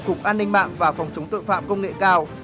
cục an ninh mạng và phòng chống tội phạm công nghệ cao